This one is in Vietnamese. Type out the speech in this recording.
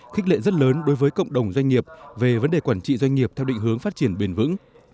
khích lệ rất lớn đối với cộng đồng doanh nghiệp về vấn đề quản trị doanh nghiệp theo định hướng phát triển bền vững